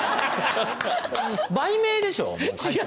売名でしょ？